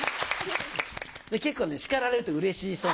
結構ね叱られるとうれしそう。